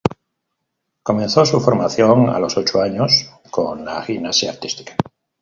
Comenzó su formación a los ocho años con la gimnasia artística.